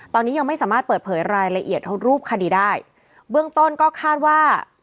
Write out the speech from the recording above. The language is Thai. ตอนนี้ยังไม่สามารถเปิดเผยรายละเอียดรูปคดีได้เบื้องต้นก็คาดว่า